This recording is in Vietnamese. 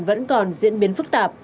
vẫn còn diễn biến phức tạp